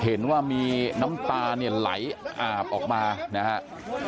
เห็นว่ามีน้ำตาเนี่ยไหลอาบออกมานะครับ